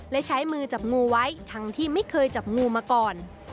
และใช้มือจับงูไว้ทั้งที่ไม่เคยจับงูมาก่อน